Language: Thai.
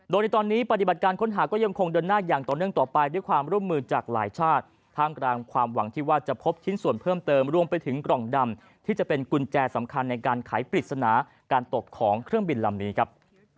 โดยในตอนนี้ปฏิบัติการค้นหาก็ยังคงเดินหน้าอย่างต่อเนื่องต่อไปด้วยความร่วมมือจากหลายชาติท่ามกลางความหวังที่ว่าจะพบชิ้นส่วนเพิ่มเติมรวมไปถึงกล่องดำที่จะเป็นกุญแจสำคัญในการไขปริศนาการตกของเครื่องบินลำนี้ครับ